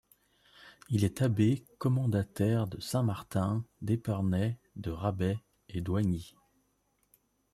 Il est abbé commendataire de Saint-Martin d'Épernay, de Rabais et d'Oigny.